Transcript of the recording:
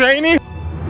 aku akan menunggu